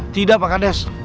tidak pak kaltes